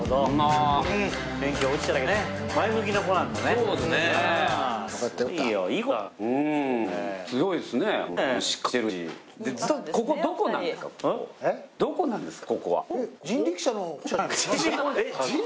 そうなんですか。